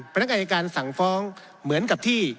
พนักงานอายการสั่งฟ้องเหมือนกับที่